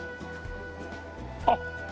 あっ。